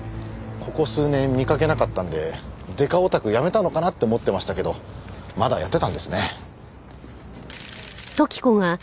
ここ数年見かけなかったんでデカオタクやめたのかなって思ってましたけどまだやってたんですね。